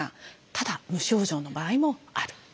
ただ無症状の場合もある。